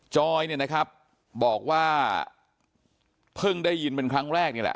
จอยบอกว่าเพิ่งได้ยินเป็นครั้งแรกนี่แหละ